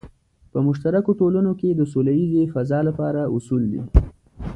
په مشترکو ټولنو کې د سوله ییزې فضا لپاره اصول دی.